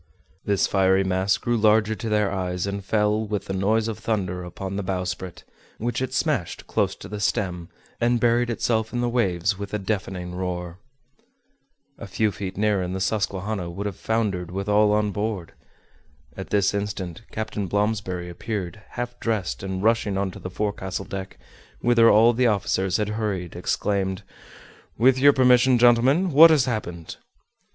This fiery mass grew larger to their eyes, and fell, with the noise of thunder, upon the bowsprit, which it smashed close to the stem, and buried itself in the waves with a deafening roar! A few feet nearer, and the Susquehanna would have foundered with all on board! At this instant Captain Blomsberry appeared, half dressed, and rushing on to the forecastle deck, whither all the officers had hurried, exclaimed, "With your permission, gentlemen, what has happened?"